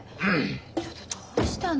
ちょっとどうしたの？